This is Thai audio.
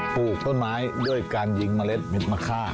ปลูกต้นไม้ด้วยการยิงเมล็ดเม็ดมะค่า